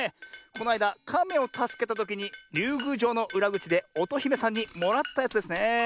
このあいだかめをたすけたときにりゅうぐうじょうのうらぐちでおとひめさんにもらったやつですねえ。